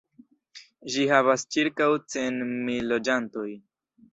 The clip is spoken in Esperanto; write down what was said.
Ĝi havas ĉirkaŭ cent mil loĝantojn.